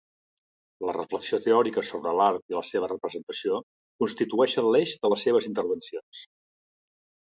La reflexió teòrica sobre l'art i la seva representació constitueixen l'eix de les seves intervencions.